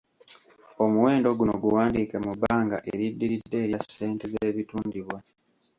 Omuwendo guno guwandiike mu bbanga eriddiridde erya ssente z’ebitundibwa.